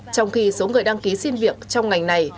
trong khi số người đăng ký xin việc trong ngành này